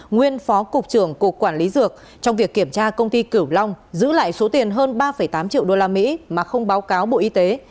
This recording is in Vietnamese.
nguyên phó cục trưởng cục quản lý dược trong việc kiểm tra công ty cửu long giữ lại số tiền hơn ba tám triệu đô la mỹ mà không báo cáo bộ y tế